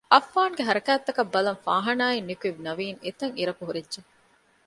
އައްފާންގެ ހަރަކާތްތަކަށް ބަލަން ފާހާނާއިން ނިކުތް ނަވީން އެތަށް އިރަކު ހުރެއްޖެ